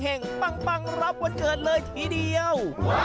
ปังรับวันเกิดเลยทีเดียว